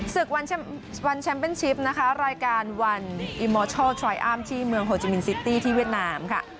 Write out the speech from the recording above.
สึกวันแชมป์เป็นชิปนะคะรายการวันที่เมืองที่เวียดนามค่ะ